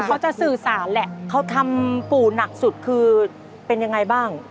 เขาทำปู่หนักสุดคือเป็นอย่างไรบ้าง